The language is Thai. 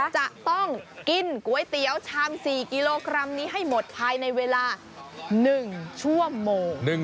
จะต้องกินก๋วยเตี๋ยวชาม๔กิโลกรัมนี้ให้หมดภายในเวลา๑ชั่วโมง